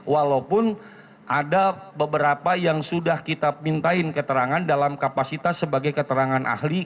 walaupun ada beberapa yang sudah kita mintain keterangan dalam kapasitas sebagai keterangan ahli